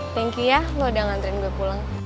thank you ya lo udah ngantriin gue pulang